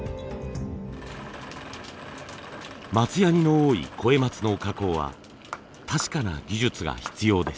松ヤニの多い肥松の加工は確かな技術が必要です。